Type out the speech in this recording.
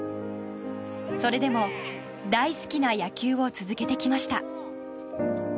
それでも大好きな野球を続けてきました。